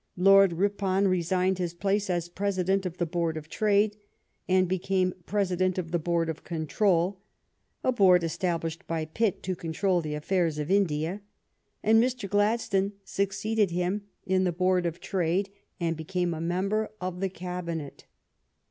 Lord Ripon resigned his place as President of the Board of Trade, and became President of the Board of Control — a Board established by Pitt to control the affairs of India — and Mr. Glad stone succeeded him in the Board of Trade, and GLADSTONE'S MARRIAGE 89 became a member of the Cabinet.